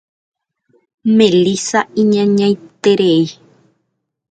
Melissa iñañaiterei.